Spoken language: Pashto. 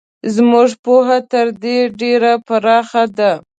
زموږ پوهه تر دې ډېره پراخه ده.